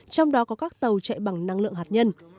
trong đó có các tàu chạy bằng năng lượng hạt nhân